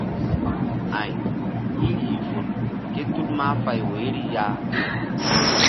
Ay í rih vul ké tul mahfay woyri ya.